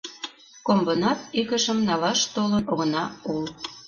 Комбынат игыжым налаш толын огына ул